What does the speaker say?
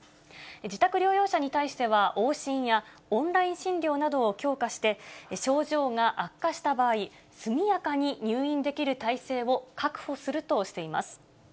自宅療養者に対しては、往診やオンライン診療などを強化して、症状が悪化した場合、速やかに入院できる体制を確保するとしています。